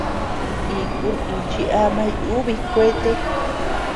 Ikun nichi ama yúbi kuete.